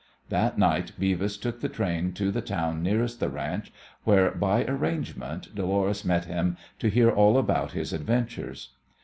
That night Beavis took the train to the town nearest the ranch, where by arrangement Dolores met him to hear all about his adventures.